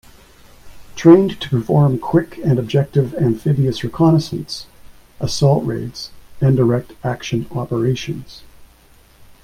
Trained to perform quick and objective amphibious reconnaissance, assault raids, and direct action operations.